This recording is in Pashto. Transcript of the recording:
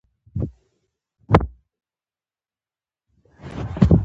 د خان ورور هغه تعویذ وو پرانیستلی